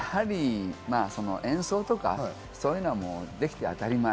演奏とかそういうのはできて当たり前。